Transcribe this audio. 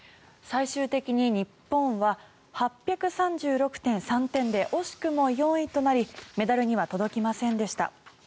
最終的に日本は８３６．３点で惜しくも４位となりメダルには届きませんでした。